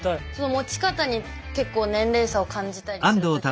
持ち方に結構年齢差を感じたりする時あります。